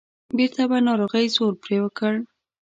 بیرته به ناروغۍ زور پرې وکړ.